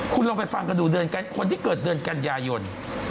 คุณลองไปฟังกันดูเดือนกันคนที่เกิดเดือนกันยายน